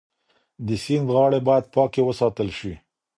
د سیند غاړې باید پاکې وساتل شي.